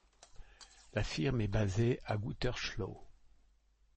La firme est basée à Gütersloh.